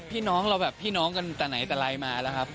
พี่น้องเราแบบพี่น้องกันแต่ไหนแต่ไรมาแล้วครับ